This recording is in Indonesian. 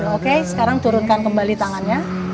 oke sekarang turunkan kembali tangannya